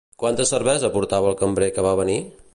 Quanta cervesa portava el cambrer que va venir?